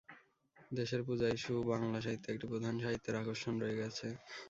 দেশের পূজা ইস্যু বাংলা সাহিত্যে একটি প্রধান সাহিত্যের আকর্ষণ রয়ে গেছে।